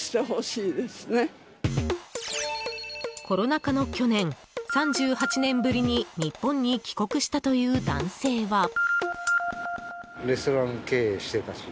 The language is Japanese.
コロナ禍の去年、３８年ぶりに日本に帰国したという男性は。